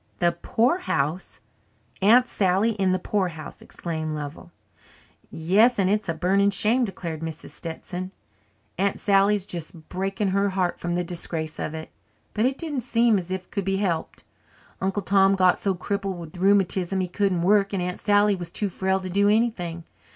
"The poorhouse! Aunt Sally in the poorhouse!" exclaimed Lovell. "Yes, and it's a burning shame," declared Mrs. Stetson. "Aunt Sally's just breaking her heart from the disgrace of it. But it didn't seem as if it could be helped. Uncle Tom got so crippled with rheumatism he couldn't work and Aunt Sally was too frail to do anything.